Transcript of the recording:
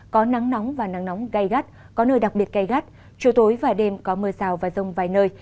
có nắng nóng và nắng nóng gai gắt có nơi đặc biệt gây gắt chiều tối và đêm có mưa rào và rông vài nơi